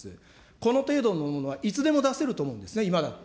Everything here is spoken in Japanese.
この程度のものはいつでも出せると思うんですね、今だって。